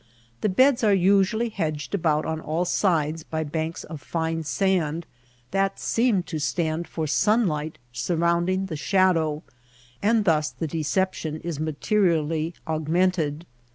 The beds are usually hedged about on all sides by banks of fine sand that seem to stand for sunlight surrounding the shadow, and thus the deception is materially augmented.